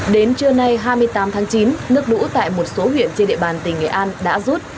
đến trưa nay hai mươi tám tháng chín nước lũ tại một số huyện trên địa bàn tỉnh nghệ an đã rút